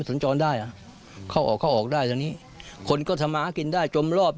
สนจรได้อ่าข้าวออกได้สระนี้คนก็สมัครกินได้จมลอบ